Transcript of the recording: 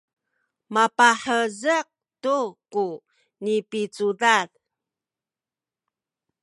mapahezek tu ku nipicudad